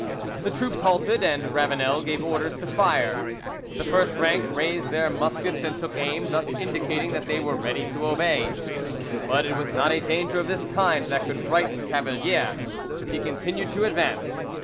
The troops halted, and Ravanel gave orders to fire. The first rank raised their muskets and took aim, thus indicating that they were ready to obey. But it was not a danger of this kind that could frighten Cavalier; he continued to advance.